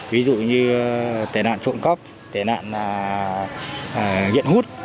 ví dụ như tài nạn trộn góc tài nạn nghiện hút